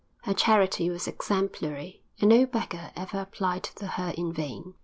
Her charity was exemplary, and no beggar ever applied to her in vain.